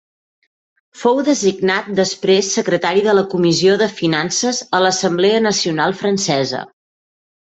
Fou designat després secretari de la Comissió de Finances a l'Assemblea Nacional francesa.